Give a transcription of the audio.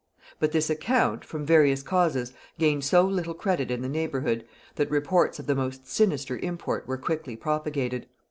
But this account, from various causes, gained so little credit in the neighbourhood, that reports of the most sinister import were quickly propagated.